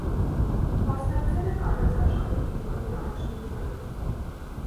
Մասնակցել է կանանց աշխարհի թիմային առաջնությանը։